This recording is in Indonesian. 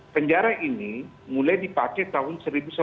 penjara ini mulai dipakai tahun seribu sembilan ratus sembilan puluh